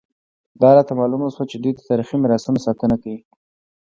دا راته معلومه شوه چې دوی د تاریخي میراثونو ساتنه کوي.